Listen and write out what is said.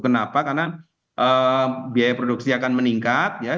kenapa karena biaya produksi akan meningkat